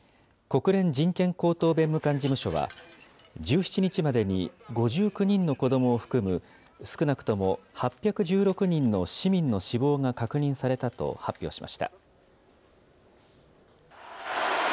国連人権高等弁務官事務所は、１７日までに５９人の子どもを含む、少なくとも８１６人の市民の死亡が確認されたと発表しました。